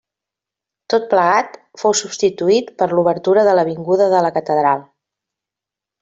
Tot plegat fou substituït per l'obertura de l'avinguda de la Catedral.